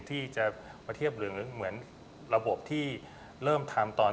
ที่จะมาเทียบหรือเหมือนระบบที่เริ่มทำตอน